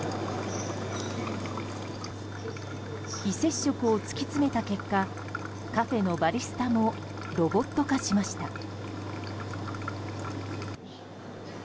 非接触を突き詰めた結果カフェのバリスタもロボット化しました。